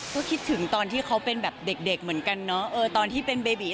ก็คิดถึงตอนที่เขาเป็นแบบเด็กเหมือนกันเนาะตอนที่เป็นเบบี